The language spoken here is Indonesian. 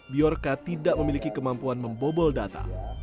biarca tidak memiliki kemampuan membobol data